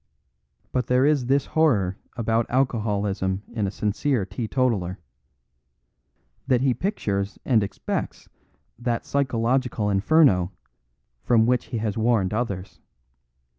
But there is this horror about alcoholism in a sincere teetotaler: that he pictures and expects that psychological inferno from which he has warned others.